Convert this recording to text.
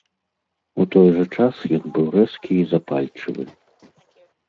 У той жа час ён быў рэзкі і запальчывы.